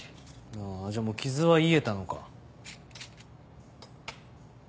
あぁじゃあもう傷は癒えたのか。